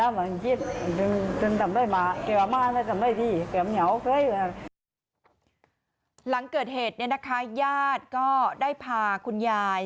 หลังเกิดเหตุญาติก็ได้พาคุณยาย